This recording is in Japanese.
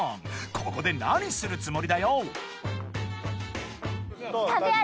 ここで何するつもりだよ］